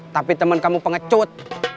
tapi temen kamu pengecut